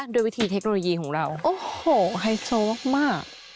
ด้วยวิธีเทคโนโลยีของเราโอ้โหไฮโซมาก